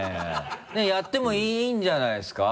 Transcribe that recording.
やってもいいんじゃないですか？